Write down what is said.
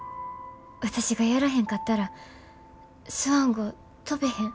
私がやらへんかったらスワン号飛ベへん。